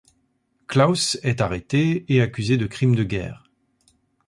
Claus est arrêté et accusé de crime de guerre.